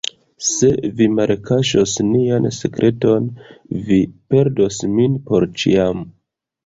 Se vi malkaŝos nian sekreton, vi perdos min por ĉiam.